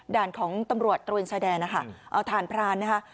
ด่านของตำรวจตระเวนชายแดนนะคะเอาฐานพรานนะคะ